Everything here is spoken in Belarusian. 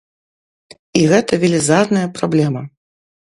І гэта велізарная праблема.